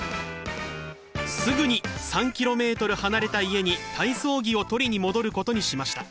すぐに３ｋｍ離れた家に体操着を取りに戻ることにしました。